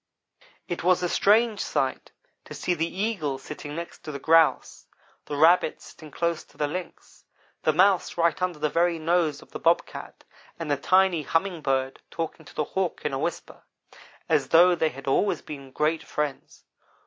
"It was a strange sight to see the Eagle sitting next to the Grouse; the Rabbit sitting close to the Lynx; the Mouse right under the very nose of the Bobcat, and the tiny Humming bird talking to the Hawk in a whisper, as though they had always been great friends.